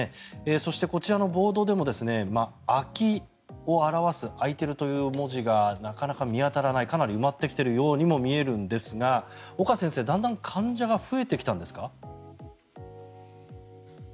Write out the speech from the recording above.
そして、こちらのボードでも空きを表す空いているという文字がなかなか見当たらないかなり埋まってきているようにも見えるんですが岡先生、だんだん患者が増えてきたんですか？